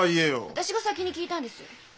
私が先に聞いたんです。